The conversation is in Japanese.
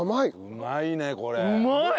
うまいねこれ。